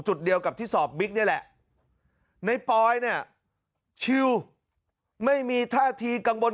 เดียวกับที่สอบบิ๊กนี่แหละในปอยเนี่ยชิวไม่มีท่าทีกังวล